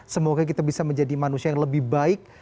semoga kita bisa menjadi manusia yang lebih baik